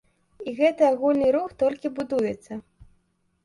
І гэты агульны рух толькі будуецца.